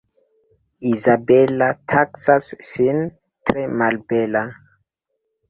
Izabela taksas sin tre malbela.